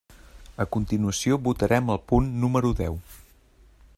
A continuació votarem el punt número deu.